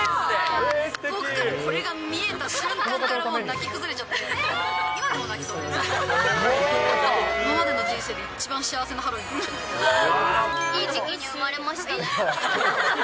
遠くからこれが見えた瞬間からもう泣き崩れちゃって、今でも今までの人生で一番幸せなハいい時期に生まれましたね。